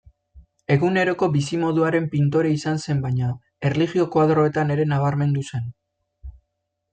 Eguneroko bizimoduaren pintore izan zen baina, erlijio-koadroetan ere nabarmendu zen.